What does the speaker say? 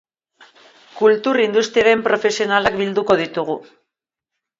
Kultur industriaren profesionalak bilduko ditugu.